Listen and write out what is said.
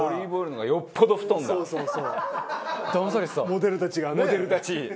モデルたちがねえ。